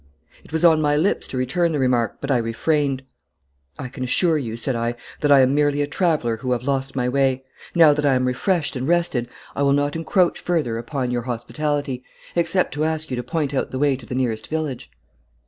It was on my lips to return the remark, but I refrained. 'I can assure you,' said I, 'that I am merely a traveller who have lost my way. Now that I am refreshed and rested I will not encroach further upon your hospitality, except to ask you to point out the way to the nearest village.'